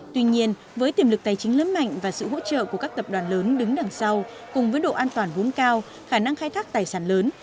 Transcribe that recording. tuy nhiên với tiềm lực tài chính lớn mạnh và sự hỗ trợ của các tập đoàn lớn đứng đằng sau cùng với độ an toàn vốn cao khả năng khai thác tài sản lớn